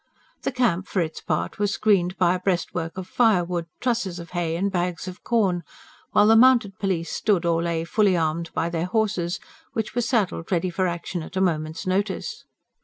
The Camp, for its part, was screened by a breastwork of firewood, trusses of hay and bags of corn; while the mounted police stood or lay fully armed by their horses, which were saddled ready for action at a moment's notice.